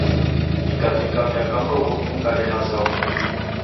Nikavika miaka mrongo mfungade, nazoya w'ukulima.